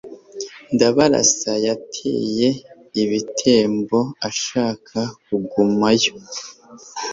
ndabarasa yateye i butembo ashaka kugumayo